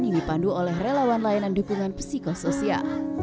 yang dipandu oleh relawan layanan dukungan psikosoial